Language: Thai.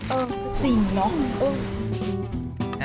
เออจริงเนาะ